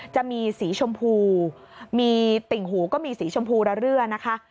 จะมีสีชมพูมีติ่งหูก็มีสีชมพูระเรื่อยนะคะ